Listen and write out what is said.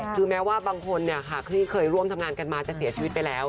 คือแม้ว่าบางคนที่เคยร่วมทำงานกันมาจะเสียชีวิตไปแล้ว